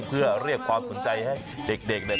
เพื่อเรียกความสนใจให้เด็กเนี่ย